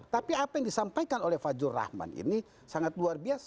tapi apa yang disampaikan oleh fajrul rahman ini sangat luar biasa